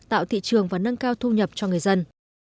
tạo thị trường và nâng cao thu nhập cho người dân